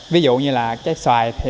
ví dụ như trái xoài